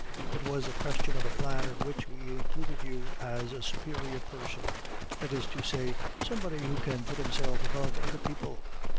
"It was a question of a plan in which we included you as a superior person, that is to say, somebody who can put himself above other people.